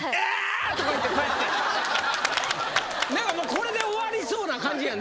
これで終わりそうな感じやん